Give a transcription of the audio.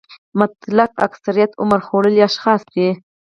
مطلق اکثریت عمر خوړلي اشخاص دي.